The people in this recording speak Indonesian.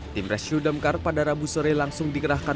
tim rescue damkar pada rabu sore langsung dikerahkan